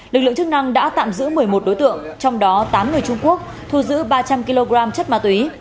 lực lượng chức năng đã tạm giữ một mươi một đối tượng trong đó tám người trung quốc thu giữ ba trăm linh kg chất ma túy